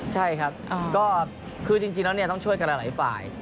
ใช่ครับก็คือจริงแล้วต้องช่วยกันหลายฝ่าย